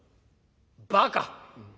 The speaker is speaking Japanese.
「バカ。